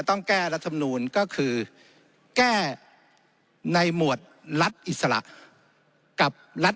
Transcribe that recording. ต้องแก้รัฐมนูลก็คือแก้ในหมวดรัฐอิสระกับรัฐ